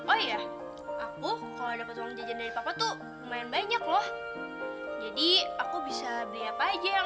oh iya aku kalau dapat uang jajan dari papa tuh lumayan banyak loh jadi aku bisa beli apa aja yang